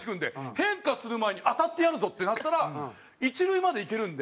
変化する前に当たってやるぞってなったら一塁まで行けるんで。